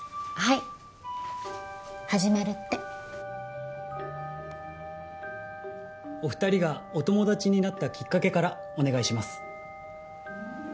はい始まるって・お二人がお友達になったきっかけからお願いします